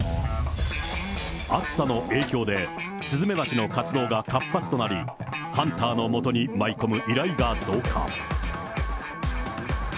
暑さの影響で、スズメバチの活動が活発となり、ハンターのもとに舞い込む依頼が増加。